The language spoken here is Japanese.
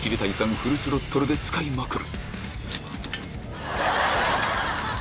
フルスロットルで使いまくる